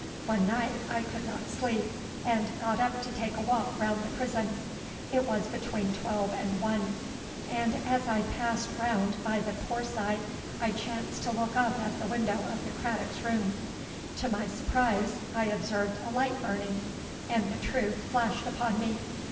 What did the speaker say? One night I could not sleep, and got up to take a walk round the prison. It was between twelve and one; and, as I passed round by the Poor Side, I chanced to look up at the window of the Craddocks' room. To my surprise, I observed a light burning; and the truth flashed upon me.